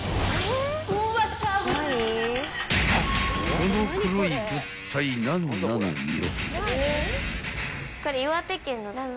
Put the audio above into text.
［この黒い物体何なのよ］